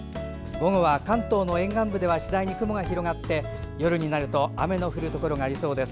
午後は関東の沿岸部では次第に雲が広がって夜になると雨の降るところがありそうです。